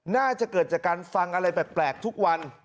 น่าจะเกิดจากการฟังอะไรแปลกทุกวัน